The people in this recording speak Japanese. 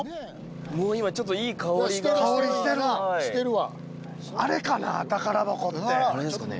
もう今ちょっといい香りが・香りしてるなしてるわあれですかね？